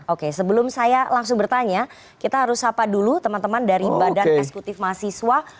oke sebelum saya langsung bertanya kita harus sapa dulu teman teman dari badan eksekutif mahasiswa